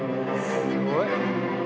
すごい。